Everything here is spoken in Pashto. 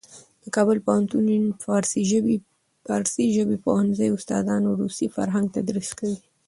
د کابل پوهنتون فارسي ژبې پوهنځي استادان روسي فرهنګ تدریس کوي.